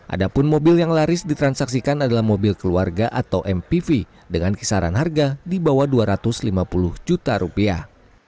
adapun mobil yang laris ditransaksikan adalah mobil keluarga atau mpv dengan kisaran harga di bawah dua ratus lima puluh juta rupiah